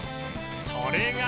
それが